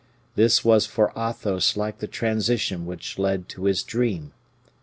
This was for Athos like the transition which led to his dream.